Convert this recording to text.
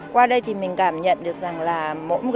qua đây thì mình cảm nhận được rằng là mỗi một dân tộc có